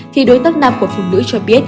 thì đối tác nam của phụ nữ cho biết